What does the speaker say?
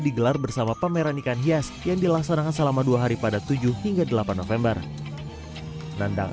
digelar bersama pameran ikan hias yang dilaksanakan selama dua hari pada tujuh hingga delapan november nandang